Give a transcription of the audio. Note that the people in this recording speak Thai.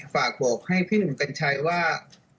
ฝากบอกให้พี่หนุ่มกัญชัยว่า